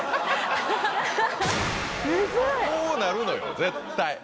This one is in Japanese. こうなるのよ絶対。